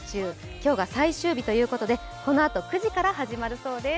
今日が最終日ということでこのあと９時から始まるとのことです。